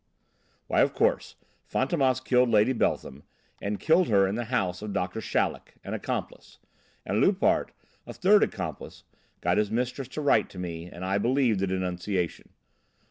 "Why, of course, Fantômas killed Lady Beltham, and killed her in the house of Doctor Chaleck, an accomplice. And Loupart, a third accomplice, got his mistress to write to me, and I believed the denunciation.